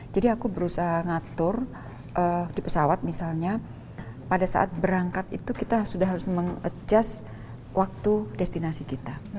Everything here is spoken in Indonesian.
jadi aku berusaha ngatur di pesawat misalnya pada saat berangkat itu kita sudah harus meng adjust waktu destinasi kita